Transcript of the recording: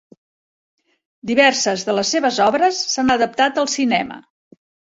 Diverses de les seves obres s'han adaptat al cinema.